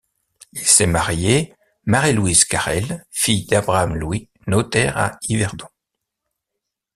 Il s'est marié Marie-Louise Carrel, fille d'Abraham-Louis, notaire à Yverdon.